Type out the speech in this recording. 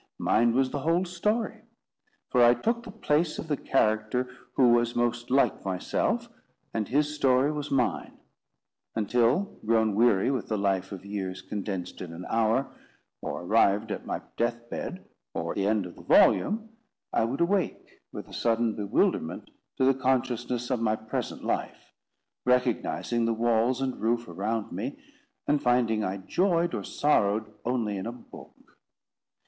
Mine was the whole story. For I took the place of the character who was most like myself, and his story was mine; until, grown weary with the life of years condensed in an hour, or arrived at my deathbed, or the end of the volume, I would awake, with a sudden bewilderment, to the consciousness of my present life, recognising the walls and roof around me, and finding I joyed or sorrowed only in a book.